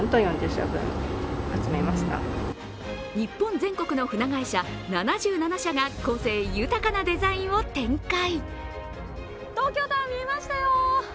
日本全国の船会社７７社が、個性豊かなデザインを展開。